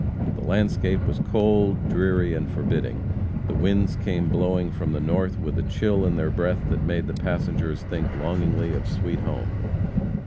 The landscape was cold, dreary and forbidding; the winds came blowing from the north with a chill in their breath that made the passengers think longingly of "sweet home."